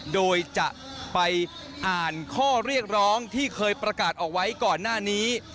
โดยจะไปอ่านข้อเรียกร้องที่เคยประกาศเอาไว้ก่อนหน้านี้